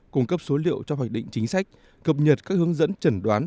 cung cấp số liệu cho hoạch định chính sách cập nhật các hướng dẫn chẩn đoán